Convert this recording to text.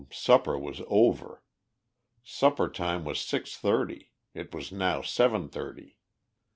supper was "over" supper time was six thirty; it was now seven thirty.